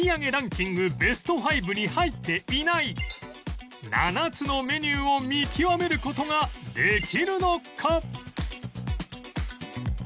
ベスト５に入っていない７つのメニューを見極める事ができるのか？